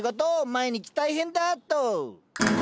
毎日大変だっと。